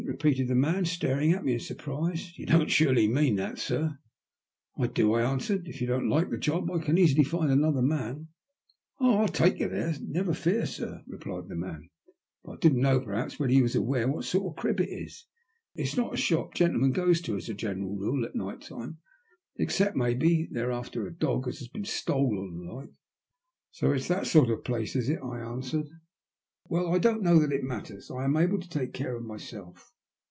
repeated the man, staring at me in surprise. *'You don't surely mean that, sir?" " I do," I answered. " If you don't like the job I can easily find another man." " Oh, I'll take you there, never fear, sir," replied the man ;*' but I didn't know perhaps whether you was aware what sort of a crib it is. It's not the shop gentlemen goes to as a general rule at night time, except maybe they're after a dog as has been stole, or the like." *'So it's that sort of place is it?" I answered. A GllU£SOM£ TALfi. 81 " Well, I don't know that it matters. I'm able to take care of myself."